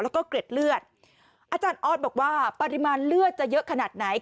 แล้วก็เกร็ดเลือดอาจารย์ออสบอกว่าปริมาณเลือดจะเยอะขนาดไหน